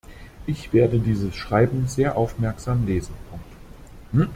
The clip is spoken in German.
Ich werde dieses Schreiben sehr aufmerksam lesen.